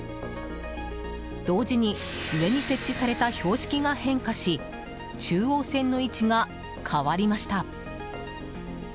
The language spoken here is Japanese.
同時に上に設置された標識が変化し中央線の位置が変わりました。